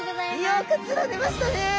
よく釣られましたね！